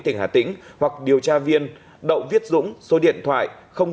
tỉnh hà tĩnh hoặc điều tra viên đậu viết dũng số điện thoại chín trăm tám mươi ba ba mươi tám bốn trăm tám mươi sáu